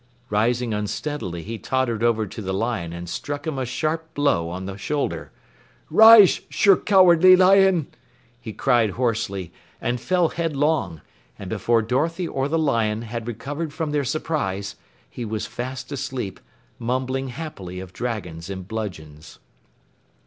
Rising unsteadily, he tottered over to the Lion and struck him a sharp blow on the shoulder. "Rishe, Shir Cowardly Lion," he cried hoarsely, and fell headlong, and before Dorothy or the lion had recovered from their surprise he was fast asleep, mumbling happily of dragons and bludgeons.